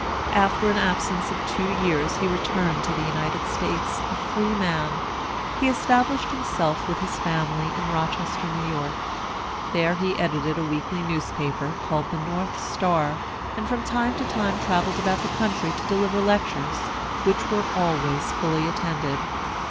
After an absence of two years he returned to the United States a freeman. He established himself with his family in Rochester, New York. There he edited a weekly newspaper, called "The North Star," and from time to time travelled about the country to deliver lectures, which were always fully attended.